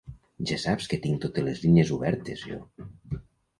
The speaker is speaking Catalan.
Ja saps que tinc totes les línies obertes, jo.